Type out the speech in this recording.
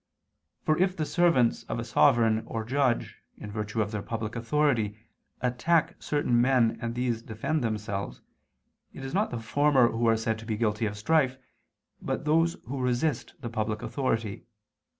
For if the servants of a sovereign or judge, in virtue of their public authority, attack certain men and these defend themselves, it is not the former who are said to be guilty of strife, but those who resist the public authority.